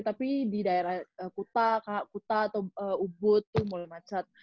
tapi di daerah kuta atau ubud tuh mulai macet